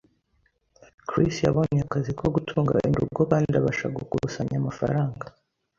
Chris yabonye akazi ko gutunganya urugo kandi abasha gukusanya amafaranga.